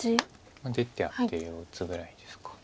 出てアテを打つぐらいですか。